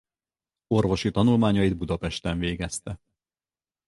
Orvosi tanulmányait Budapesten végezte.